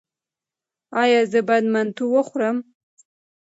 ایا زه باید منتو وخورم؟